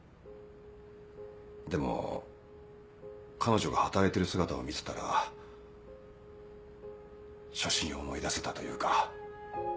でも彼女が働いてる姿を見てたら初心を思い出せたというか。